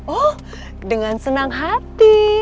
oh dengan senang hati